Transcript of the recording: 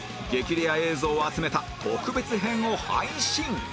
レア映像を集めた特別編を配信！